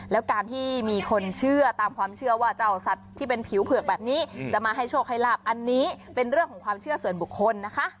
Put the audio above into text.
แล้วการที่มีคนเชื่อตามความเชื่อว่าเจ้าสัตว์ที่เป็นผิวเผือกแบบนี้จะมาให้โชคให้ลาบอันนี้เป็นเรื่องของความเชื่อส่วนบุคคลนะคะ